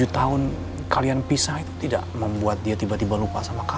tujuh tahun kalian pisa itu tidak membuat dia tiba tiba lupa sama kalian